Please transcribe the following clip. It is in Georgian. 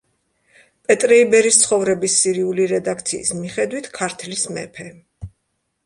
პეტრე იბერის ცხოვრების სირიული რედაქციის მიხედვით, ქართლის მეფე.